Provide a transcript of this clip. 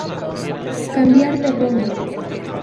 Cambiar de rumbo.